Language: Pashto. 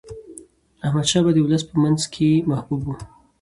احمد شاه بابا د ولس په منځ کې محبوب و.